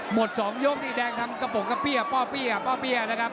หมดสองยกที่แดงทำกระป๋องก็เปี้ยบ้อเปี้ยบ้อเปี้ย